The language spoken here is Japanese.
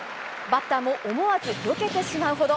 バッターも思わずよけてしまうほど。